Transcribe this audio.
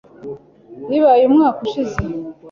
Bibaye umwaka ushize .